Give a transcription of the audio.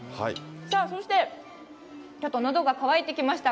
そしてちょっとのどが渇いてきました。